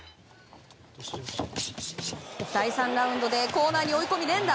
第３ラウンドでコーナーに追い込み連打。